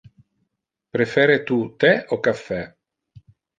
Prefere tu the o caffe?